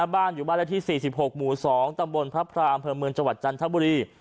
บ้านอยู่บ้านละที่๔๖หมู่๒ตำบลพระพราอำเภอเมืองจังหวัดจันทบุรี